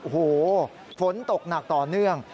โอ้โหฝนตกหนักต่อเนื่อง